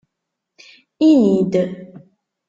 lni-d!